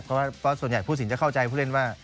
เพราะว่าส่วนใหญ่ผู้สินจะเข้าใจผู้เล่นว่า